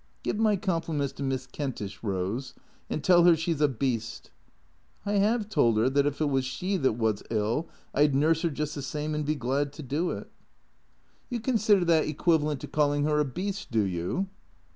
" Give my compliments to Miss Kentish, Eose, and tell her she 's a beast." " I 'ave told her that if it was she that was ill I 'd nurse her just the same and be glad to do it." 3^ THECKEATORS " You consider that equivalent to calling her a beast, do you